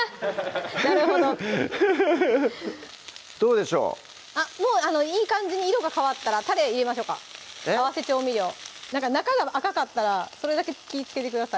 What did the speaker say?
なるほどどうでしょうもういい感じに色が変わったらたれ入れましょうか合わせ調味料なんか中が赤かったらそれだけ気つけてください